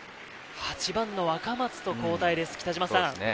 ８番の若松と交代です。